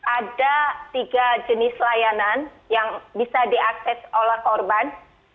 ada tiga jenis layanan yang bisa diakses oleh korban